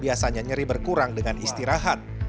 biasanya nyeri berkurang dengan istirahat